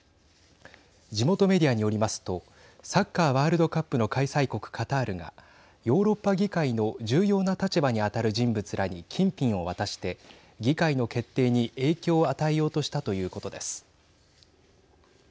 地元メディアによりますとサッカーワールドカップの開催国カタールがヨーロッパ議会の重要な立場に当たる人物らに金品を渡して、議会の決定に影響を与えようとしたということです。